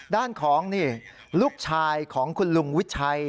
ด้านของนี่ลูกชายของคุณลุงวิชัย